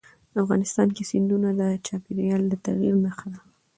افغانستان کې سیندونه د چاپېریال د تغیر نښه ده.